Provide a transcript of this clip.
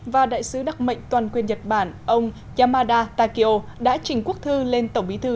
và đại sứ đặc mệnh toàn quyền nhật bản ông yamada takeo đã trình quốc thư lên tổng bí thư